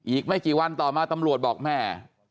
อีกไม่กี่วันต่อมาตำรวจบอกแม่